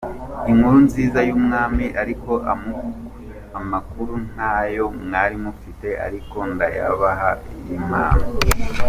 inkuru nziza y’umwami ariko amakuru ntayo mwari mufite ariko ndayabaha y’impano.